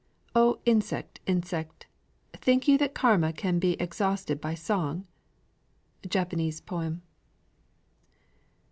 "O insect, insect! think you that Karma can be exhausted by song?" _Japanese poem.